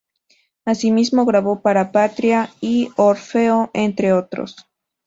Asimismo grabó para Patria y Orfeo, entre otros.